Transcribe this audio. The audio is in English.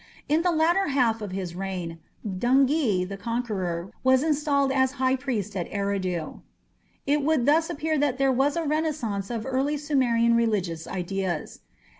In the latter half of his reign, Dungi, the conqueror, was installed as high priest at Eridu. It would thus appear that there was a renascence of early Sumerian religious ideas.